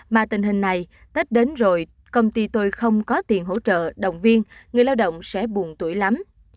mà tình hình này tết đến rồi công ty tôi không có tiền hỗ trợ đồng viên người lao động sẽ buồn tuổi lắm